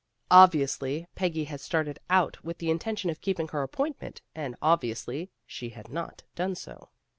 Obviously Peggy had started out with the intention of keeping her appointment, and obviously she had not done so.